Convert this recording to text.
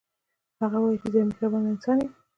هغه وايي چې زه یو مهربانه انسان یم